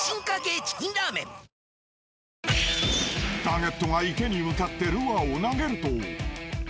［ターゲットが池に向かってルアーを投げると］